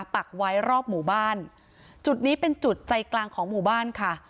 ปักไว้รอบหมู่บ้านจุดนี้เป็นจุดใจกลางของหมู่บ้านค่ะ